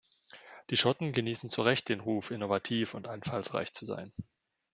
Die Schotten genießen zu Recht den Ruf, innovativ und einfallsreich zu sein.